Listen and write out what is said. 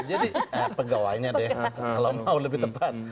jadi pegawainya deh kalau mau lebih tepat